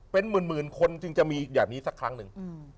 เป็นหมื่นคนจึงจะมีแบบนี้สักครั้งหนึ่ง